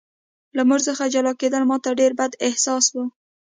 له مور څخه جلا کېدل ماته ډېر بد احساس و